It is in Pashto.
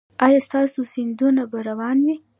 ایا ستاسو سیندونه به روان وي؟